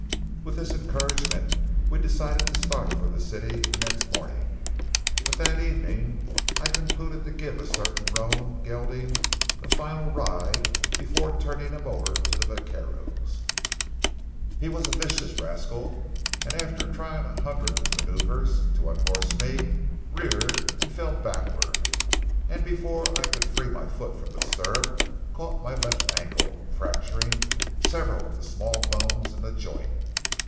With this encouragement, we decided to start for the city the next morning. But that evening I concluded to give a certain roan gelding a final ride before turning him over to the vaqueros. He was a vicious rascal, and after trying a hundred manoeuvres to unhorse me, reared and fell backward, and before I could free my foot from the stirrup, caught my left ankle, fracturing several of the small bones in the joint.